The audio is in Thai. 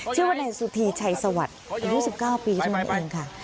ชื่อว่านายสุธีชัยสวัสดิ์๒๙ปีช่วงนั้นเองค่ะ